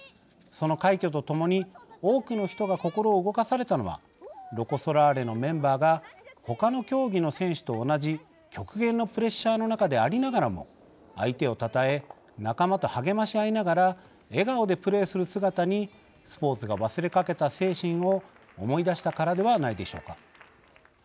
その快挙とともに、多くの人が心を動かされたのはロコ・ソラーレのメンバーがほかの競技の選手と同じ極限のプレッシャーの中でありながらも、相手をたたえ仲間と励まし合いながら笑顔でプレーする姿にスポーツが忘れかけた精神を思い出したからではないでしょうか。